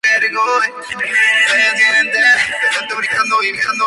En el biombo se encuentran pintados varios personajes de Walt Disney.